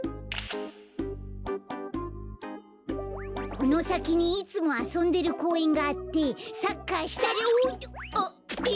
このさきにいつもあそんでるこうえんがあってサッカーしたりおっと！え！？